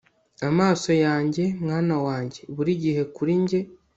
amaso yanjye, mwana wanjye buri gihe kuri njye